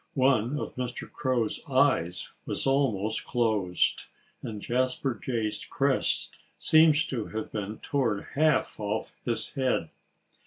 One of Mr. Crow's eyes was almost closed; and Jasper Jay's crest seemed to have been torn half off his head.